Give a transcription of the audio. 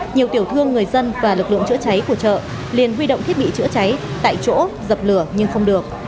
nhiều tiểu thương người dân và lực lượng chữa cháy của chợ liền huy động thiết bị chữa cháy tại chỗ dập lửa nhưng không được